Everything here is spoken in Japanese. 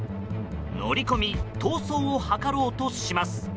乗り込み逃走を図ろうとします。